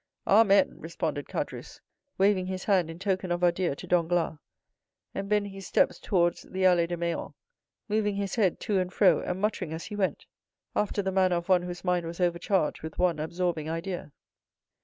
"Amen!" responded Caderousse, waving his hand in token of adieu to Danglars, and bending his steps towards the Allées de Meilhan, moving his head to and fro, and muttering as he went, after the manner of one whose mind was overcharged with one absorbing idea.